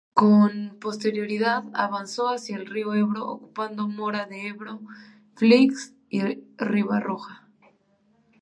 Con posterioridad avanzó hacia el río Ebro, ocupando Mora de Ebro, Flix y Ribarroja.